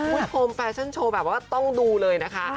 คุณผู้ชมแฟชั่นโชว์แบบว่าต้องดูเลยนะคะ